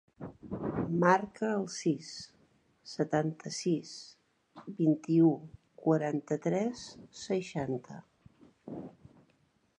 Marca el sis, setanta-sis, vint-i-u, quaranta-tres, seixanta.